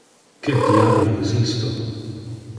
Que diabolo es isto?